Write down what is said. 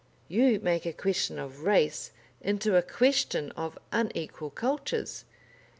You make a question of race into a question of unequal cultures.